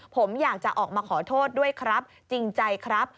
ผมอยากจะออกมาขอโทษด้วยครับจริงใจครับ